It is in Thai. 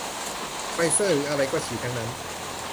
ไฟเซอร์หรืออะไรก็ฉีดทั้งนั้น